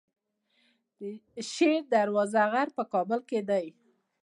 شیر دروازه غر په کابل کې دی